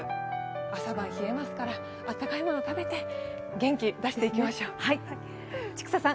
朝晩冷えますから、あったかいものを食べて元気を出していきましょう。